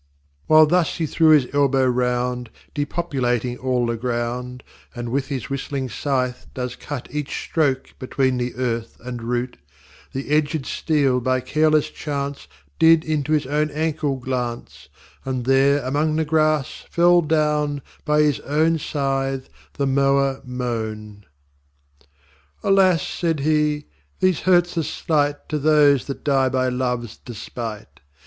X While thus he threw his Elbow round, Depopulating all the Ground, And, with his whistling Sythe, does cut Each stroke between the Earth and Root, The edged Stele by careless chance Did into his own Ankle glance; And there among the Grass fell down, By his own Sythe, the Mower mown. XI Alas! said He, these hurts are slight To those that dye by Loves despight.